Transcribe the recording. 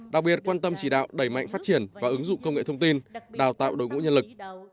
đặc biệt quan tâm chỉ đạo đẩy mạnh phát triển và ứng dụng công nghệ thông tin đào tạo đội ngũ nhân lực